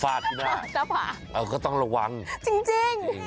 ฝาดดินะเอ้าก็ต้องระวังจริง